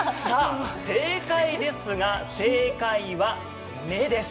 正解ですが、正解は目です。